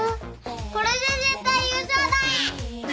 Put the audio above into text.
これで絶対優勝だ！